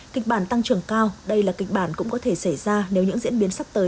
kịch bản tăng trưởng cao đây là kịch bản cũng có thể xảy ra nếu những diễn biến sắp tới